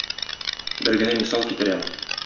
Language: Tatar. Бер генә мисал китерәм.